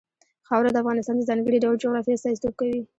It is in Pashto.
خاوره د افغانستان د ځانګړي ډول جغرافیه استازیتوب کوي.